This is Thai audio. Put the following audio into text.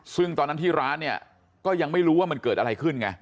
ซึ่งตอนนั้นที่ร้านเนี่ยก็ยังไม่รู้ว่ามันเกิดอะไรขึ้นไง